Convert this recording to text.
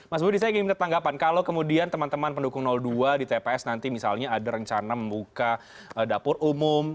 mas budi saya ingin minta tanggapan kalau kemudian teman teman pendukung dua di tps nanti misalnya ada rencana membuka dapur umum